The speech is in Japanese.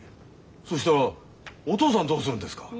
そしたらお父さんどうするんですか！？